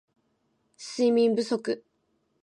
睡眠不足